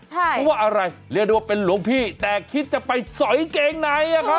เพราะว่าอะไรเรียกได้ว่าเป็นหลวงพี่แต่คิดจะไปสอยเกงในอะครับ